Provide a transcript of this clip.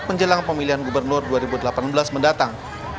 menjelang pemilihan gubernur dua ribu delapan belas mendatang